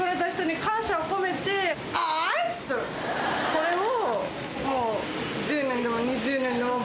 これを。